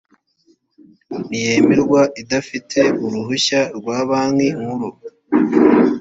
ntiyemerwa idafite uruhushya rwa banki nkuru